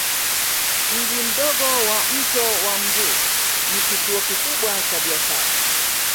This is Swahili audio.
Mji mdogo wa Mto wa Mbu ni kituo kikubwa cha biashara